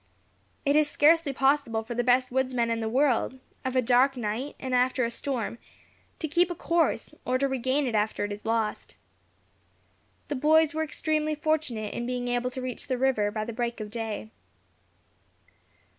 It is scarcely possible for the best woodsman in the world, of a dark night, and after a storm, to keep a course, or to regain it after it is lost. The boys were extremely fortunate in being able to reach the river by the break of day.